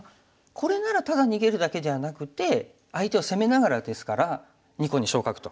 これならただ逃げるだけじゃなくて相手を攻めながらですから２個に昇格と。